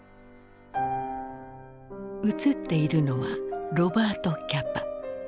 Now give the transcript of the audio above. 映っているのはロバート・キャパ。